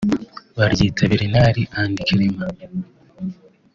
baryita Bernard and Clement